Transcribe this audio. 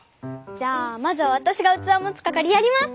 じゃあまずはわたしがうつわもつかかりやります！